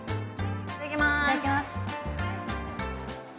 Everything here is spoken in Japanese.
いただきまーす。